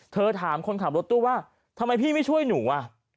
ถามคนขับรถตู้ว่าทำไมพี่ไม่ช่วยหนูอ่ะ